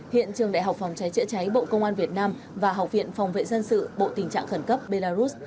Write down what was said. hiện trường đại học phòng cháy chữa cháy bộ công an việt nam và học viện phòng vệ dân sự bộ tình trạng khẩn cấp belarus